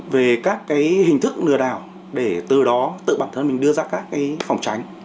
về các hình thức lừa đảo để từ đó tự bản thân mình đưa ra các phòng tránh